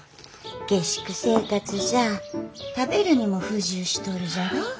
下宿生活じゃあ食べるにも不自由しとるじゃろ。